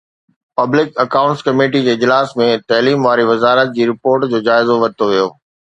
public accounts committee جي اجلاس ۾ تعليم واري وزارت جي رپورٽ جو جائزو ورتو ويو